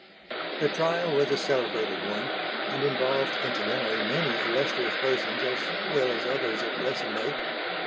The trial was a celebrated one, and involved incidentally many illustrious persons as well as others of lesser note.